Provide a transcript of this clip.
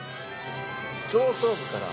上層部から。